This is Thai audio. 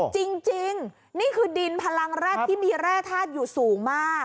จริงนี่คือดินพลังแร็ดที่มีแร่ธาตุอยู่สูงมาก